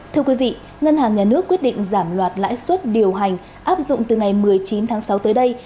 thưa quý vị ngân hàng nhà nước quyết định giảm loạt lãi suất điều hành áp dụng từ ngày một mươi chín tháng sáu tới đây